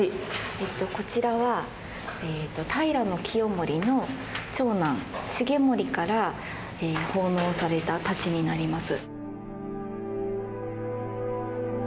こちらは平清盛の長男重盛から奉納された太刀になります。